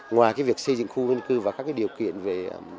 ngoài cái việc xây dựng khu dân cư và các cái điều kiện về